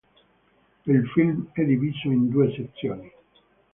Il film è diviso in due sezioni.